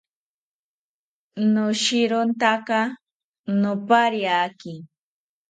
Noshirontaka nopariaki